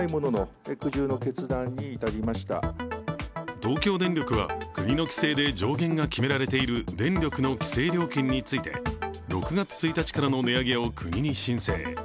東京電力は、国の規制で上限が決められている電力の規制料金について６月１日からの値上げを国に申請。